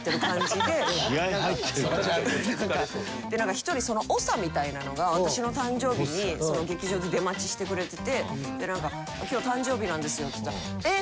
１人長みたいなのが私の誕生日に劇場で出待ちしてくれてて今日誕生日なんですよっつったら「えっ！？」